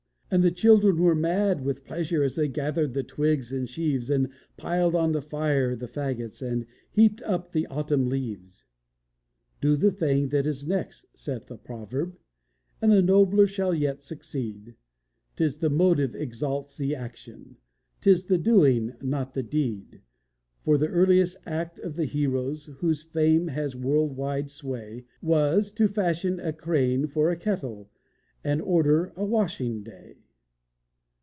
And the children were mad with pleasure As they gathered the twigs in sheaves, And piled on the fire the fagots, And heaped up the autumn leaves. "Do the thing that is next," saith the proverb, And a nobler shall yet succeed: 'Tis the motive exalts the action; 'Tis the doing, and not the deed; For the earliest act of the heroes Whose fame has a world wide sway Was to fashion a crane for a kettle, And order a washing day!